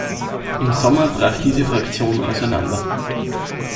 Im Sommer brach diese Fraktion auseinander.